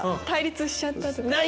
対立しちゃったとか？